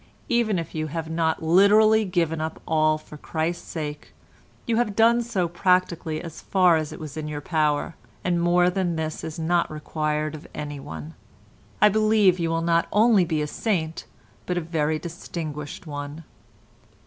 Even if you have not literally given up all for Christ's sake, you have done so practically as far as it was in your power, and more than this is not required of anyone. I believe you will not only be a saint, but a very distinguished one."